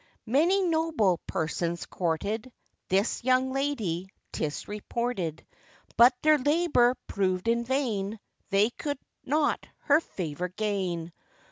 Many noble persons courted This young lady, 'tis reported; But their labour proved in vain, They could not her favour gain.